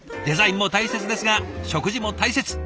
デザインも大切ですが食事も大切。